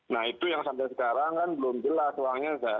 nah itu yang sampai sekarang kan belum jelas uangnya